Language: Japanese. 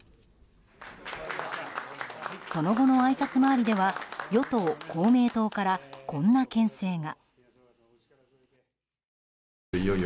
その後のあいさつ回りでは与党・公明党からこんな牽制が。